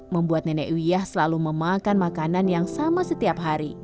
membuat nenek wiyah selalu memakan makanan yang sama setiap hari